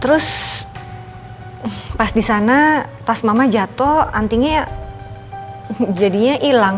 terus pas di sana tas mama jatuh antingnya jadinya ilang